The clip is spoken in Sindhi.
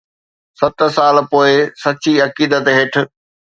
ست سال پوءِ سچي عقيدت هيٺ